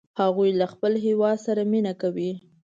هغوی له خپل هیواد سره مینه کوي